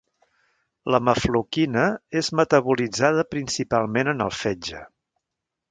La mefloquina és metabolitzada principalment en el fetge.